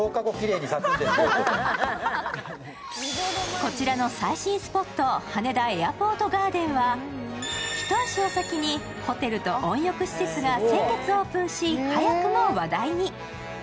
こちらの最新スポット、羽田エアポートガーデンは一足お先にホテルと温浴施設が先月オープンし、早くも話題に。